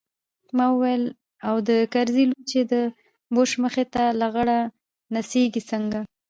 ما وويل او د کرزي لور چې د بوش مخې ته لغړه نڅېږي څنګه.